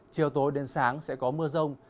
chiều tối đến sáng sẽ có mưa rông